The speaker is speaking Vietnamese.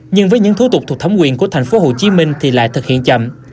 nhưng với những thủ tục thuộc thấm quyền của tp hcm thì lại thực hiện chậm